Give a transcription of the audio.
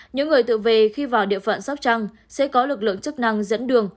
những người tự về khi vào địa phận sóc trăng sẽ có lực lượng chức năng dẫn đường